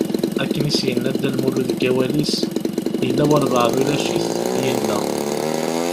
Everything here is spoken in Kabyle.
Akken i as-yenna dda Lmulud deg wawal-is: Yella walebɛaḍ ulac-it, yella.